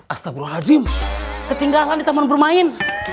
astagfirullahaladzim ketinggalan di taman bermain